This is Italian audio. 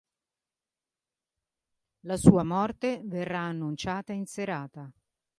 La sua morte verrà annunciata in serata.